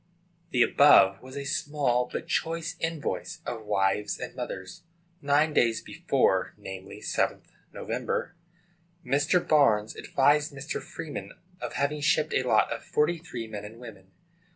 } The above was a small but choice invoice of wives and mothers. Nine days before, namely, 7th Nov., Mr. Barnes advised Mr. Freeman of having shipped a lot of forty three men and women.